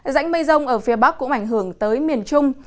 dãnh mây rông ở phía bắc cũng ảnh hưởng tới miền trung